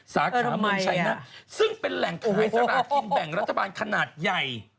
สาขาเมืองชัยนะซึ่งเป็นแหล่งขายสลากินแบ่งรัฐบาลขนาดใหญ่